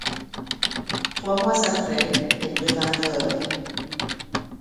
Trois mois après, elle devint veuve.